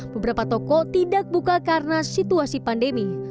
beberapa toko tidak buka karena situasi pandemi